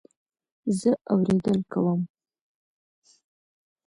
زه اورېدل کوم